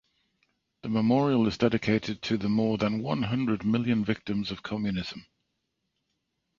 The memorial is dedicated "to the more than one hundred million victims of communism".